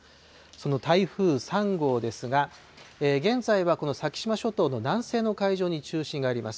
その台風３号ですが、現在はこの先島諸島の南西の海上に中心があります。